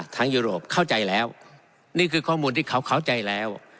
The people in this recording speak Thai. ยุโรปเข้าใจแล้วนี่คือข้อมูลที่เขาเข้าใจแล้ว